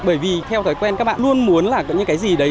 bởi vì theo thói quen các bạn luôn muốn là những cái gì đấy